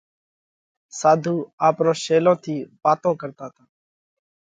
ساڌُو آپرون شيلون ٿِي واتون ڪرتا تا۔